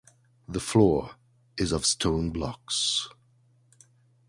The floor is of stone blocks.